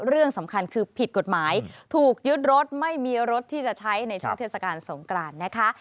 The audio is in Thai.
เรื่องสำคัญคือผิดกฎหมายถูกยึดรถไม่มีรถที่จะใช้ในช่วงเทศกาลสงกรานนะคะ